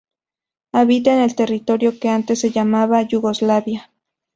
Habita en el territorio que antes se llamaba Yugoslavia.